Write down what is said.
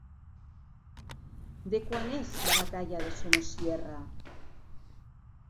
De quant és La batalla de Somosierra?